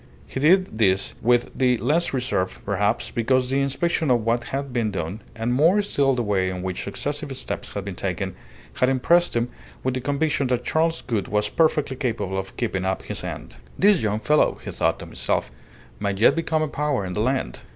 He did this with the less reserve, perhaps, because the inspection of what had been done, and more still the way in which successive steps had been taken, had impressed him with the conviction that Charles Gould was perfectly capable of keeping up his end. "This young fellow," he thought to himself, "may yet become a power in the land."